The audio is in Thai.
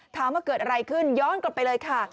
ถามว่าเกิดอะไรขึ้นย้อนกลับไปเลยค่ะ